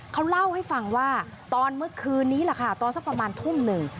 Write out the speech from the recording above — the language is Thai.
เขาเล่าให้ฟังว่าตอนเมื่อคืนนี้แหละค่ะตอนสักประมาณทุ่มหนึ่ง